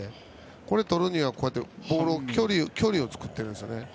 これをとるには距離を作っているんですね。